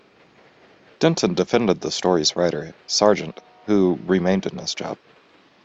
Denton defended the story's writer, Sargent, who remained in his job.